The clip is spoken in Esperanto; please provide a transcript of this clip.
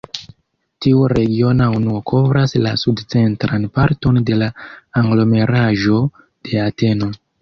Tiu regiona unuo kovras la sud-centran parton de la aglomeraĵo de Ateno.